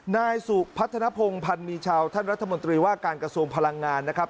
นายสุพัฒนภงพันธ์มีชาวท่านรัฐมนตรีว่าการกระทรวงพลังงานนะครับ